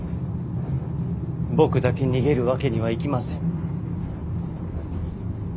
僕だけ逃げるわけにはいきません。